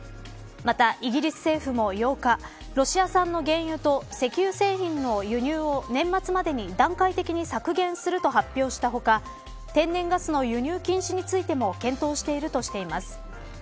またイギリス政府も８日ロシア産の原油と石油製品の輸入を年末までに段階的に削減すると発表した他天然ガスの輸入禁止についても検討しているとしています。